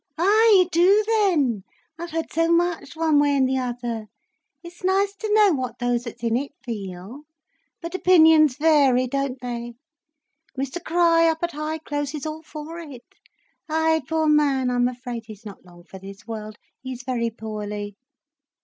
"Ay, you do, then! I've heard so much, one way and the other. It's nice to know what those that's in it feel. But opinions vary, don't they? Mr Crich up at Highclose is all for it. Ay, poor man, I'm afraid he's not long for this world. He's very poorly."